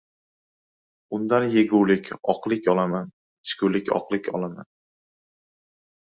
Undan yegulik oqlik olaman. Ichgulik oqlik olaman.